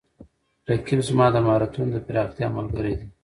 رقیب زما د مهارتونو د پراختیا ملګری دی